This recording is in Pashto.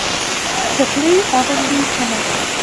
څپلۍ اغوندې که نه؟